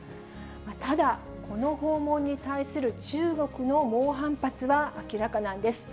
ただ、この訪問に対する中国の猛反発は明らかなんです。